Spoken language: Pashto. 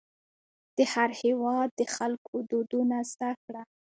د هر هېواد د خلکو دودونه زده کړه.